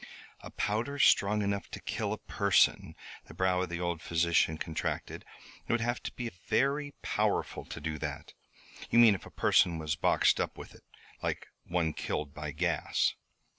"A powder strong enough to kill a person?" The brow of the old physician contracted. "It would have to be very powerful to do that. You mean if a person was boxed up with it like one killed by gas?"